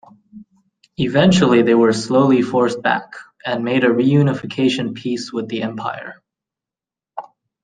Eventually they were slowly forced back, and made a reunification peace with the Empire.